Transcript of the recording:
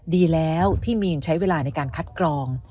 ดีแล้วที่มีนใช้เวลาในการคัดกรอง